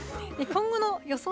今後の予想